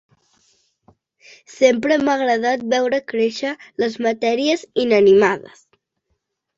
Sempre m'ha agradat veure créixer les matèries inanimades.